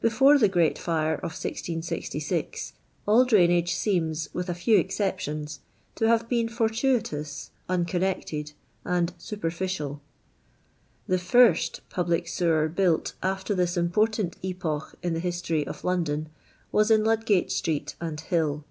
Before the Great Fire of 1666, all drain age seems, with a few exceptions, to have been fortuitous, unconnected, and superficial The first public sewer built after this important epoch in the history of London was in Ludgate street and hill.